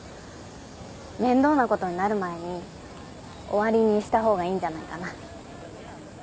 面倒なことになる前に終わりにした方がいいんじゃないかな？